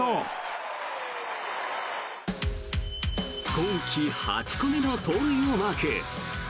今季８個目の盗塁をマーク。